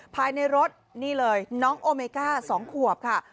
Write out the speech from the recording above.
ภายในรถนี่เลยน้องโอเมก้า๒ขวบค่ะ